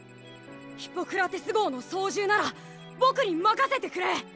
ヒポクラテス号の操縦ならボクに任せてくれ！